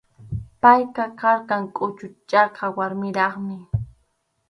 Payqa karqan kʼuku chaka warmiraqmi.